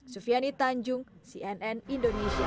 sufiani tanjung cnn indonesia